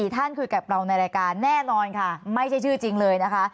ท่านคุยกับเราในรายการแน่นอนค่ะไม่ใช่ชื่อจริงเลยนะคะ